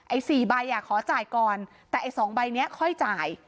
ไอ้สี่ใบอ่ะขอจ่ายก่อนแต่ไอ้สองใบเนี้ยค่อยจ่าย